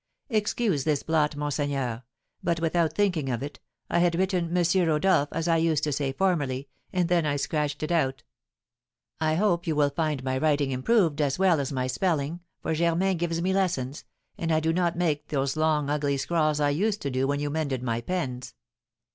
Excuse this blot, monseigneur; but, without thinking of it, I had written Monsieur Rodolph, as I used to say formerly, and then I scratched it out. I hope you will find my writing improved as well as my spelling, for Germain gives me lessons, and I do not make those long ugly scrawls I used to do when you mended my pens."